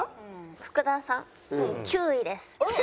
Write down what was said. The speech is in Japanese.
福田さん９位です。